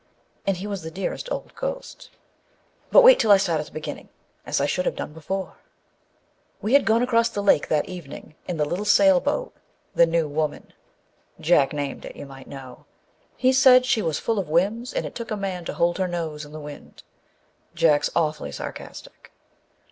And he was the dearest old ghost â but wait till I start at the beginning, as I should have done before. We had gone across the lake that evening in the little sail boat, the New Woman. Jack named it, you might know; he said she was full of whims and it took a man to hold her nose in the wind â Jack's awfully sarcastic.